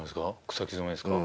草木染めですか？